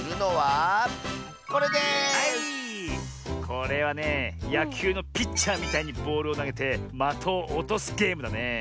これはねやきゅうのピッチャーみたいにボールをなげてまとをおとすゲームだねえ。